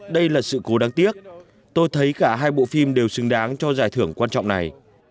đây là sự cố đáng tiếc tôi thấy cả hai bộ phim đều xứng đáng cho giải thưởng quan trọng này